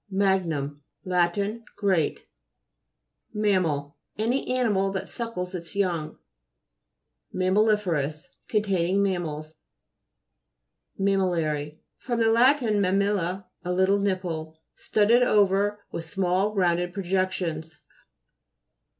MAG'NUM Lat. Great. MAM'MAI. Any animal that suckles its young. MAMMALI'FEROTJS Containing mam mals. MAMMI'LLARY fr. lat. mammilla, a little nipple. Studded over with small rounded projections.